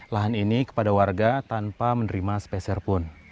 lahan ini pada warga tanpa menerima spesial pun